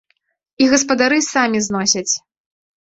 І гаспадары самі зносяць.